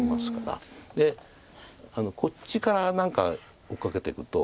でこっちから何か追っかけていくと。